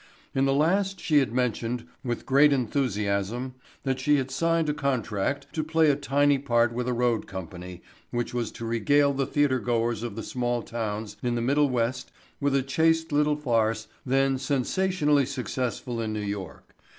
In the last she had mentioned, with great enthusiasm, that she had signed a contract to play a tiny part with a road company which was to regale the theatre goers of the small towns in the Middle West with a chaste little farce then sensationally successful in New York.